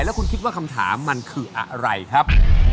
แล้วคุณคิดว่าคำถามมันคืออะไรครับ